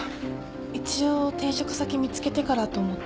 一応転職先見つけてからと思って。